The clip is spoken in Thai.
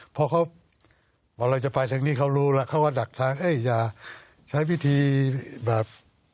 เพราะเขาบอกเราจะไปทางนี้เขารู้แล้วเขาว่าดักทางอย่าใช้วิธีแบบ